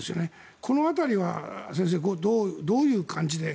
この辺りは先生、どういう感じで。